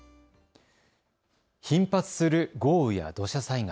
頻発する豪雨や土砂災害。